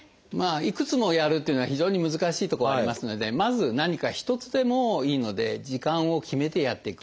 いくつもやるっていうのは非常に難しいとこはありますのでまず何か一つでもいいので時間を決めてやっていく。